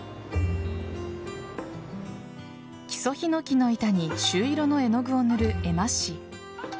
木曽ヒノキの板に朱色の絵の具を塗る絵馬師。